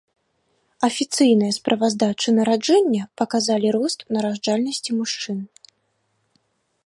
Афіцыйныя справаздачы нараджэння паказалі рост нараджальнасці мужчын.